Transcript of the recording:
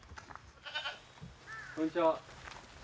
こんにちは。